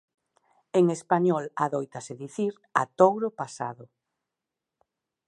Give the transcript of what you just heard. En español adóitase dicir a touro pasado.